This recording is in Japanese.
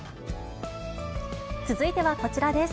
続いてはこちらです。